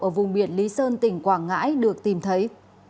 ở vùng biển lý sơn tỉnh quảng ngãi được tìm thấy